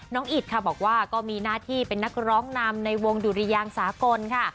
อิตค่ะบอกว่าก็มีหน้าที่เป็นนักร้องนำในวงดุริยางสากลค่ะ